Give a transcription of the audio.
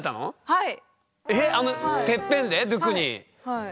はい。